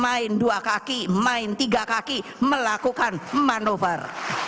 main dua kaki main tiga kaki melakukan manuver